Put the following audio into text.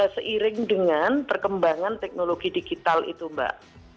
seiring dengan perkembangan teknologi digital itu mbak